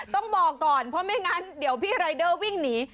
ต้องบอกก่อนเพราะไม่งั้นเดี๋ยวพี่รายเดอร์วิ่งหนี